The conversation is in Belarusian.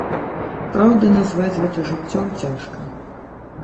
Праўда, назваць гэта жыццём цяжка.